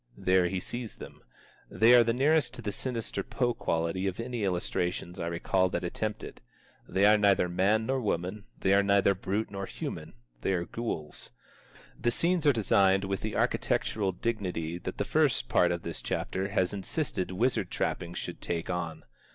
There he sees them. They are the nearest to the sinister Poe quality of any illustrations I recall that attempt it. "They are neither man nor woman, they are neither brute nor human; they are ghouls." The scenes are designed with the architectural dignity that the first part of this chapter has insisted wizard trappings should take on.